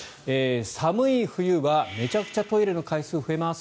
寒い冬はめちゃくちゃトイレの回数増えます。